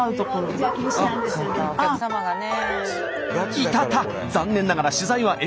いたた残念ながら取材はＮＧ。